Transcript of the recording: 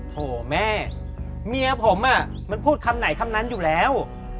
โถแม่เมียผมมันพูดคำไหนคำนั้นอยู่แล้ว